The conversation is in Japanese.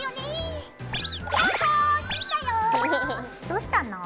どうしたの？